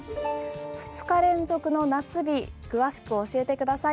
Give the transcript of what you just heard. ２日連続の夏日詳しく教えてください。